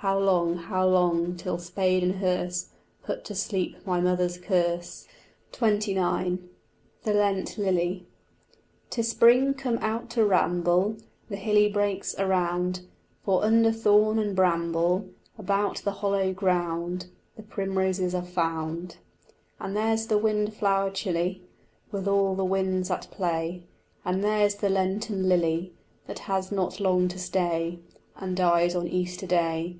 How long, how long, till spade and hearse Put to sleep my mother's curse? XXIX THE LENT LILY 'Tis spring; come out to ramble The hilly brakes around, For under thorn and bramble About the hollow ground The primroses are found. And there's the windflower chilly With all the winds at play, And there's the Lenten lily That has not long to stay And dies on Easter day.